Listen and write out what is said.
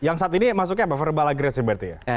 yang saat ini masuknya apa verbal aggressiveness berarti ya